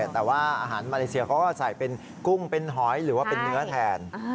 แต่ว่าอาหารมาเลเซียเขาก็ใส่เป็นกุ้งเป็นหอยหรือว่าเป็นเนื้อแทน